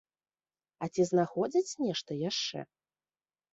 А ці знаходзяць нешта яшчэ?